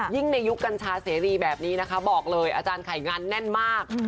ในยุคกัญชาเสรีแบบนี้นะคะบอกเลยอาจารย์ไข่งานแน่นมาก